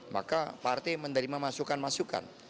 maka partai menerima masukan masukan